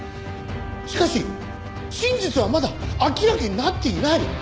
しかし真実はまだ明らかになっていない！